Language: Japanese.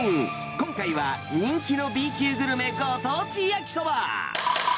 今回は人気のＢ級グルメご当地焼そば。